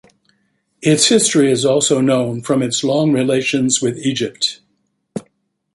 Its history is also known from its long relations with Egypt.